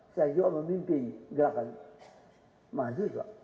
saya juga memimpin gerakan mahasiswa